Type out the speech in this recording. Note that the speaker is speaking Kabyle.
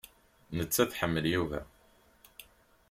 Nettat tḥemmel Yuba.